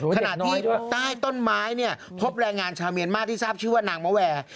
ขณะที่ใต้ต้นไม้เนี่ยพบแรงงานชาวเมียนมาที่ทราบชื่อว่านางมะแวร์